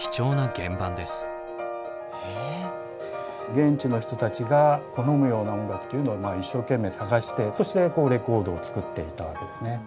現地の人たちが好むような音楽っていうのを一生懸命探してそしてレコードを作っていたわけですね。